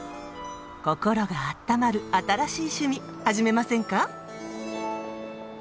心があったまる新しい趣味始めませんか？